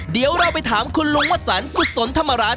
เดี๋ยวเราไปถามคุณลุงวสันกุศลธรรมรัฐ